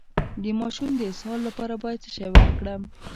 د ماشوم د اسهال لپاره باید څه شی ورکړم؟